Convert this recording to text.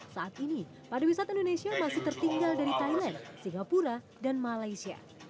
saat ini pariwisata indonesia masih tertinggal dari thailand singapura dan malaysia